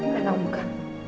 saya mau buka